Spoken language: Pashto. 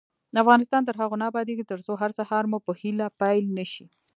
افغانستان تر هغو نه ابادیږي، ترڅو هر سهار مو په هیله پیل نشي.